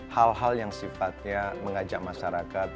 hal hal yang sifatnya mengajak masyarakat